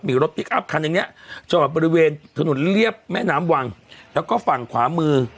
มีรถพลิกอัพคันหนึ่งเนี่ยจอดบริเวณถนนเรียบแม่น้ำวังแล้วก็ฝั่งขวามือ